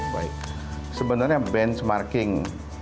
baik sebenarnya benchmarking